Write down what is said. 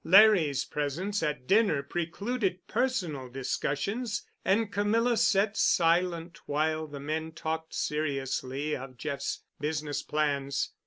Larry's presence at dinner precluded personal discussions, and Camilla sat silent while the men talked seriously of Jeff's business plans.